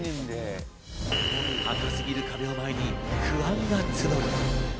高すぎる壁を前に不安が募る。